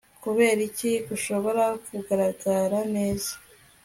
Kuberiki gushobora kugaragara neza